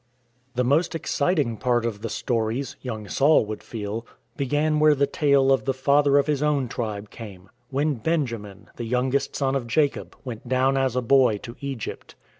The most exciting part of the stories — young Saul would feel — began where the tale of the Father of his own tribe came — when Benjamin, the youngest son of Jacob, went down as a boy to Egypt.